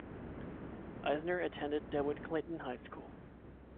Eisner attended DeWitt Clinton High School.